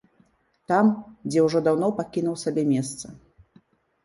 Там, дзе ўжо даўно пакінуў сабе месца.